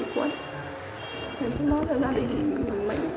thế thì đó là gia đình